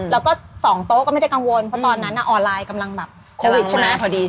แล้วก็๒โต๊ะก็ไม่ได้กังวลเพราะตอนนั้นออนไลน์กำลังแบบโควิดใช่ไหม